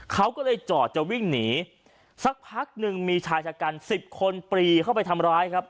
เขาก็เลยจอดจะวิ่งหนีสักพักหนึ่งมีชายชะกันสิบคนปรีเข้าไปทำร้ายครับ